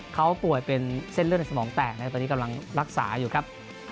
เขาป่วยเป็นเส้นเลือดในสมองแตกนะครับตอนนี้กำลังรักษาอยู่ครับ